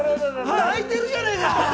泣いてるじゃねぇか！